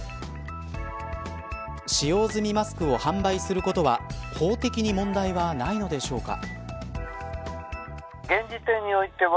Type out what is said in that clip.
使用済みマスクを販売することは法的に問題はないのでしょうか。